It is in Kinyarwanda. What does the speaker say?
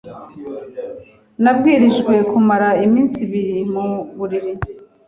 Nabwirijwe kumara iminsi ibiri muburiri.